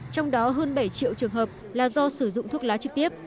trong đó hơn bảy triệu trường hợp là do sử dụng thuốc lá trực tiếp